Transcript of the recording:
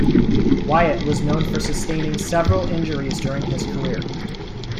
Wyatt was noted for sustaining several injuries during his career.